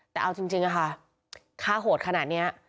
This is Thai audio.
แต่เอาจริงค่ะฆ่าโหดขนาดนี้